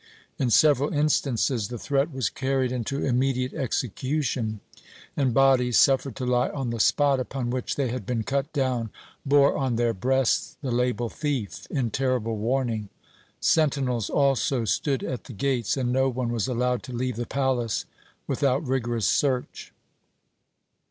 In several instances the threat was carried into immediate execution, and bodies, suffered to lie on the spot upon which they had been cut down, bore on their breasts the label "Thief!" in terrible warning. Sentinels also stood at the gates, and no one was allowed to leave the palace without rigorous search.